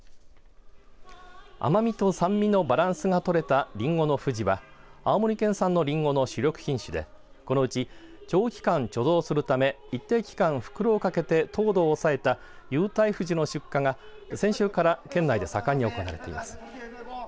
甘みと酸味のバランスが取れたりんごのふじは青森県産のりんごの主力品種でこのうち長期間貯蔵するため一定期間袋をかけて糖度を抑えた有袋ふじの出荷が先週から県内で盛んに行われています。